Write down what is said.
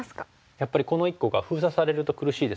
やっぱりこの１個が封鎖されると苦しいですからね。